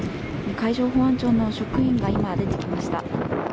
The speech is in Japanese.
海上保安庁の職員が今、出てきました。